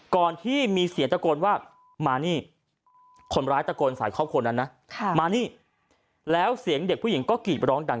ก่อนที่มีเสียงตะโกนว่ามานี่